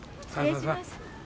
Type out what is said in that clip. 失礼します。